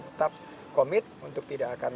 tetap komit untuk tidak akan